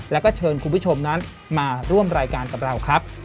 แล้วก็เชิญคุณผู้ชมนั้นมาร่วมรายการกับเราครับ